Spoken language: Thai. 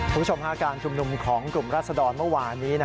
คุณผู้ชมการชุมนุมของกลุ่มรัศดรเมื่อวานนี้